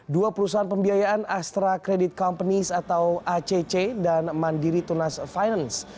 dua perusahaan pembiayaan astra credit companies atau acc dan mandiri tunas finance